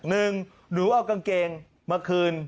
หนึ่งหรือเอากางเกงมาคืน